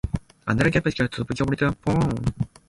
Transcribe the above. Some positions must be hit twice for them to be destroyed.